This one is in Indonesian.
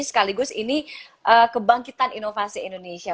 sekaligus ini kebangkitan inovasi indonesia